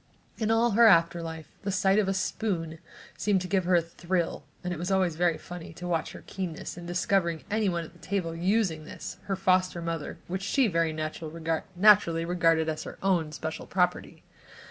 In all her after life, the sight of a spoon seemed to give her a thrill and it was always very funny to watch her keenness in discovering anyone at the table using this, her foster mother, which she, very naturally, regarded as her own special property.